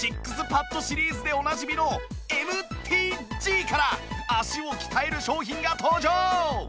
ＳＩＸＰＡＤ シリーズでおなじみの ＭＴＧ から足を鍛える商品が登場！